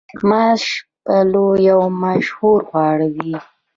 ماش پلو یو مشهور خواړه دي.